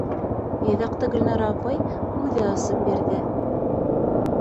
Йоҙаҡты Гөлнара апай үҙе асып бирҙе.